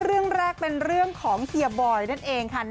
เรื่องแรกเป็นเรื่องของเฮียบอยนั่นเองค่ะ